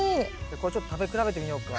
これちょっと食べ比べてみようか。